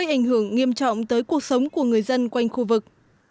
ảnh hưởng nghiêm trọng tới cuộc sống của người dân quanh khu vực